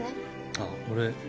あっ俺。